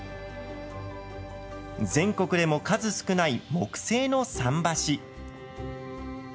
全国でも数少ない木製の桟橋。